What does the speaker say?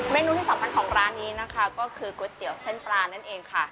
นูที่สำคัญของร้านนี้นะคะก็คือก๋วยเตี๋ยวเส้นปลานั่นเองค่ะ